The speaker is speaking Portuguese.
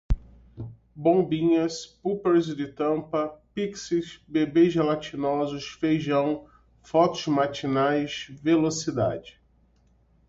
bombinhas, poppers de tampa, pixies, bebês gelatinosos, feijão, fotos matinais, velocidade